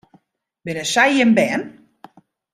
Binne sy jim bern?